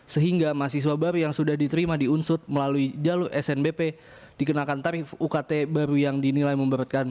sehingga mahasiswa baru yang sudah diterima diunsut melalui jalur snbp dikenakan tarif ukt baru yang dinilai memberatkan